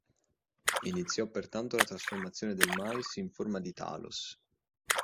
Iniziò pertanto la trasformazione del mais in forma di "talos".